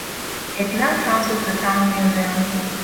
It now houses the town museum.